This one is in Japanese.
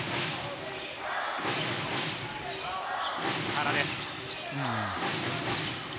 原です。